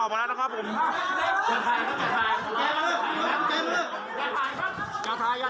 อย่าทายอย่าทาย